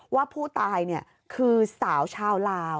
ว่าผู้ตายคือสาวชาวลาว